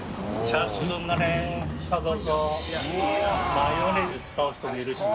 マヨネーズ使う人もいるしね。